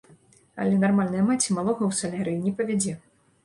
Але нармальная маці малога ў салярый не павядзе.